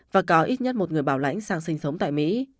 và có ít nhất một người bảo lãnh sang sinh sống tại mỹ